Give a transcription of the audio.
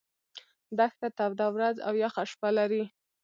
دښته توده ورځ او یخه شپه لري.